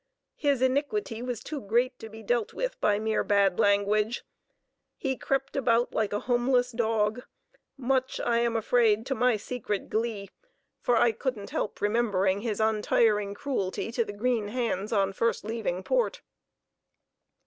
His iniquity was too great to be dealt with by mere bad language. He crept about like a homeless dog—much, I am afraid, to my secret glee, for I couldn't help remembering his untiring cruelty to the green hands on first leaving port.